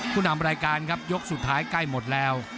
ผู้นำรายการครับยกสุดท้ายใกล้หมดแล้ว